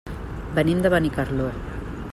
Venim de Benicarló.